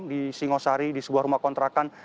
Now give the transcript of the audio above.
di singosari di sebuah rumah kontrakan